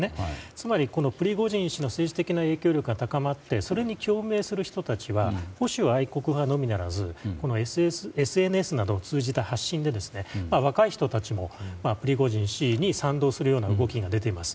つまり、プリゴジン氏の政治的な影響力が高まってそれに共鳴する人たちは保守愛国派のみならずＳＮＳなどを通じた発信で若い人たちもプリゴジン氏に賛同するような動きが出ています。